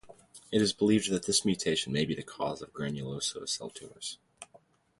It is believed that this mutation may be the cause of granulosa cell tumours.